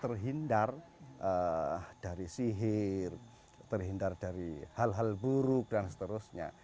terhindar dari sihir terhindar dari hal hal buruk dan seterusnya